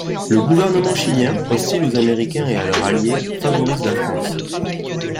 Le gouvernement chilien, hostile aux américains et à leur alliés, favorise la France.